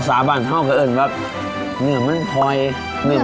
เอาหอมครับเอาหอมไหม